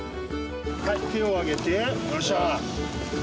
はい手を上げてどうした？